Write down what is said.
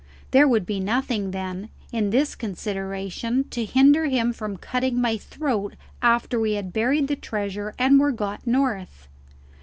There would be nothing, then, in this consideration to hinder him from cutting my throat after we had buried the treasure and were got north.